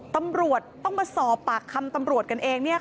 ตำรวจต้องมาสอบปากคำตำรวจกันเอง